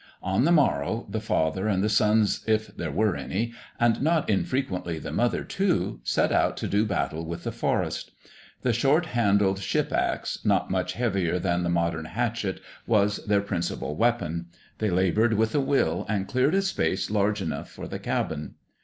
On the morrow the father, and the sons if there were any, and not infrequently the mother, too, set out to do battle with the forest. The short handled ship axe, not much heavier than the modern hatchet, was their principal weapon. They laboured with a will and cleared a space large enough for the cabin.